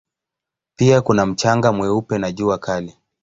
Pia kuna mchanga mweupe na jua kali.